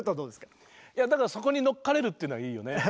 いやだからそこに乗っかれるっていうのはいいよね。